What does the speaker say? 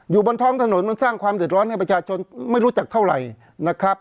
บนท้องถนนมันสร้างความเดือดร้อนให้ประชาชนไม่รู้จักเท่าไหร่นะครับ